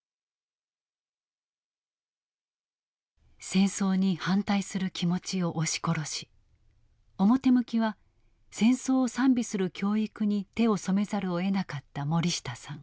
戦争に反対する気持ちを押し殺し表向きは戦争を賛美する教育に手を染めざるをえなかった森下さん。